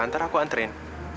nanti aku anterin